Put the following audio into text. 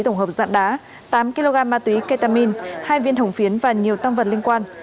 tổng hợp dạng đá tám kg ma túy ketamin hai viên hồng phiến và nhiều tăng vật liên quan